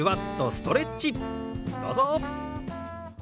どうぞ！